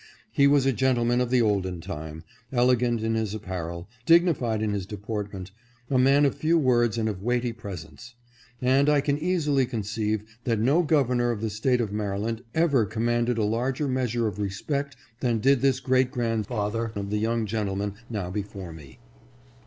He was a gentleman of the olden time, elegant in his apparel, dignified in his deportment, a man of few words and of weighty presence ; and I can easily conceive that no Governor of the State of Maryland ever commanded a larger measure of respect than did this great grandfather of the young gentleman now before me.